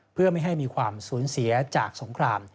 เพื่อไม่ให้มีความสูญเสียจากสงคราม